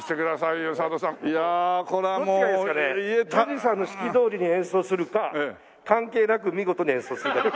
純次さんの指揮どおりに演奏するか関係なく見事に演奏するか。